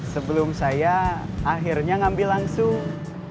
sebelum saya akhirnya ngambil langsung